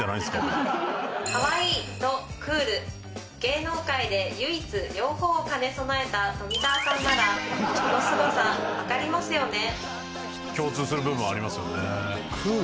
かわいいとクール芸能界で唯一両方を兼ね備えた富澤さんならこのすごさ分かりますよね？